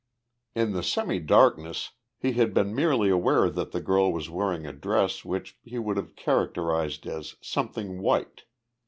In the semidarkness he had been merely aware that the girl was wearing a dress which he would have characterized as "something white."